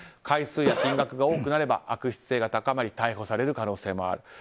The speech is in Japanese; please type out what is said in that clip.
回数や金額が多くなれば悪質性が高まり逮捕される可能性もある。